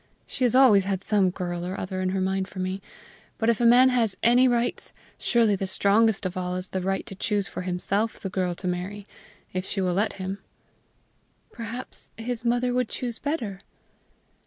She has always had some girl or other in her mind for me; but if a man has any rights, surely the strongest of all is the right to choose for himself the girl to marry if she will let him." "Perhaps his mother would choose better."